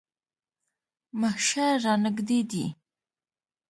محشر رانږدې دی.